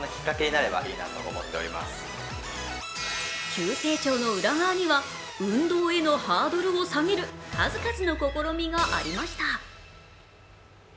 急成長の裏側には運動へのハードルを下げる数々の試みがありました。